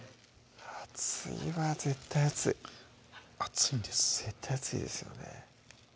熱いわ絶対熱い熱いんです絶対熱いですよね